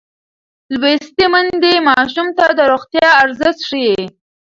لوستې میندې ماشوم ته د روغتیا ارزښت ښيي.